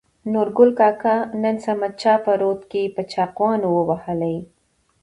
نورګل کاکا : نن صمد چا په رود کې په چاقيانو ووهلى.